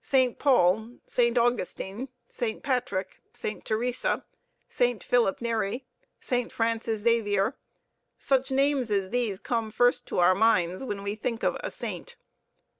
Saint Paul, Saint Augustine, Saint Patrick, Saint Theresa, Saint Philip Neri, Saint Francis Xavier: such names as these come first to our minds when we think of "a saint."